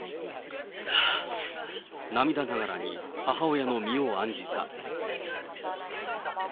涙ながらに母親の身を案じた。